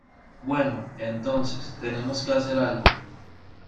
Bueno, entonces , tenemos que hacer algo.